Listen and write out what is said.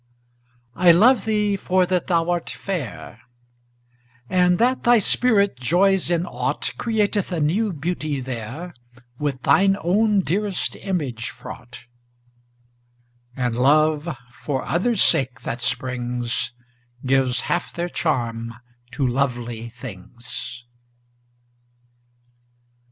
I love thee for that thou art fair; And that thy spirit joys in aught Createth a new beauty there, With throe own dearest image fraught; And love, for others' sake that springs, Gives half their charm to lovely things.